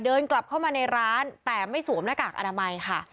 เดินกลับเข้ามาในร้านแต่ไม่สวมหน้ากากอนามัยค่ะ